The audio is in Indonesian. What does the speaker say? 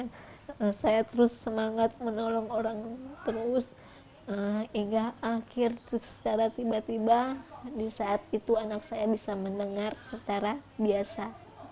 saya terus semangat menolong orang terus hingga akhir secara tiba tiba di saat itu anak saya bisa mendengar secara biasa